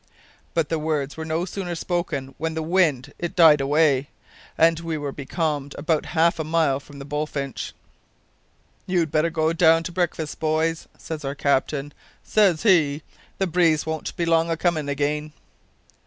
But the words were no sooner spoken, when the wind it died away, and we were becalmed about half a mile from the Bullfinch. "`You'd better go down to breakfast, boys,' says our captain, says he, `the breeze won't be long o' comin' again.'